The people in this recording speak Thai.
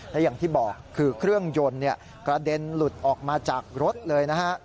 และอย่างที่บอกคือเครื่องยนต์กระเด็นหลุดออกมาจากรถเลยนะฮะ